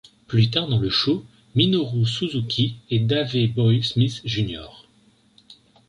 Plus tard dans le show, Minoru Suzuki et Davey Boy Smith Jr.